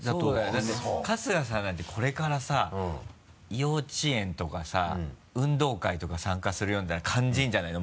だって春日さんなんてこれからさ幼稚園とかさ運動会とか参加するようになると感じるんじゃないの？